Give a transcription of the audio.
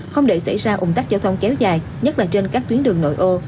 không để xảy ra ủng tắc giao thông kéo dài nhất là trên các tuyến đường nội ô